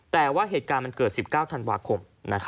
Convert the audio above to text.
แต่ว่าเหตุการณ์มันเกิด๑๙ธันวาคม